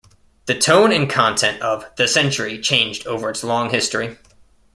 The tone and content of "The Century" changed over its long history.